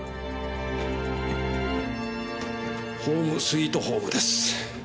ホームスイートホームです。